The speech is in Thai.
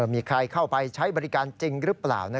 มีใครเข้าไปใช้บริการจริงหรือเปล่า